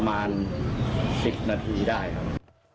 ประมาณ๑๐นาทีได้ครับ